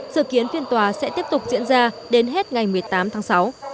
dự kiến phiên tòa sẽ tiếp tục diễn ra đến hết ngày một mươi tám tháng sáu